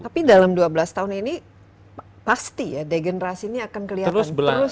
tapi dalam dua belas tahun ini pasti ya degenerasi ini akan kelihatan terus